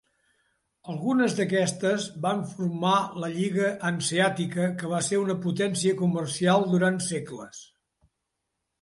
Algunes d'aquestes van formar la lliga Hanseàtica, que va ser una potència comercial durant segles.